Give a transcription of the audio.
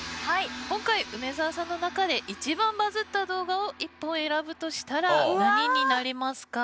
今回梅澤さんの中で一番バズった動画を１本選ぶとしたら何になりますか？